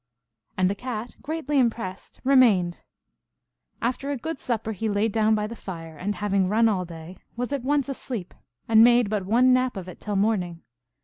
And the Cat, greatly impressed, re mained. After a good supper he lay down by the fire, and, having run all day, was at once asleep, and made but one nap of it till morning.